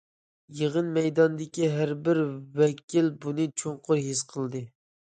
يىغىن مەيدانىدىكى ھەر بىر ۋەكىل بۇنى چوڭقۇر ھېس قىلدى.